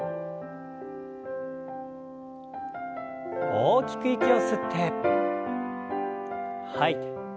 大きく息を吸って吐いて。